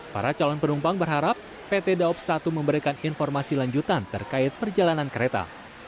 para calon penumpang berharap pt daob satu memberikan informasi lanjutan terkait perjalanan kereta